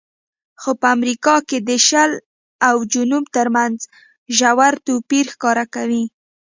خو په امریکا کې د شل او جنوب ترمنځ ژور توپیر ښکاره کوي.